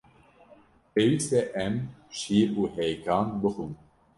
Pêwîst e em şîr û hêkan bixwin.